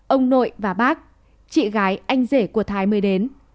ông nội và bác chị gái anh rể của thái mới đến